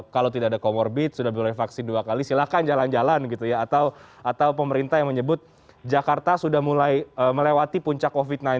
kalau tidak ada comorbid sudah boleh vaksin dua kali silakan jalan jalan gitu ya atau pemerintah yang menyebut jakarta sudah mulai melewati puncak covid sembilan belas